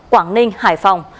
quảng ninh hải phòng